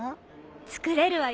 作れるわよ。